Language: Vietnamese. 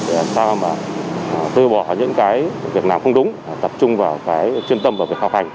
để làm sao mà tư bỏ những cái việc nào không đúng tập trung vào cái chuyên tâm và việc học hành